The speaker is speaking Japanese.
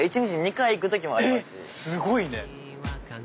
すごいね。